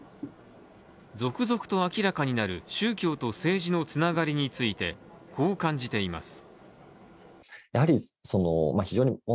続々と明らかになる宗教と政治のつながりについて、こう感じています。